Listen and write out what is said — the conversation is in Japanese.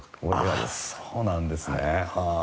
ああそうなんですね。